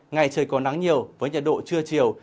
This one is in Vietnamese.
ngày trời có nắng nhiều với nhiệt độ trưa chiều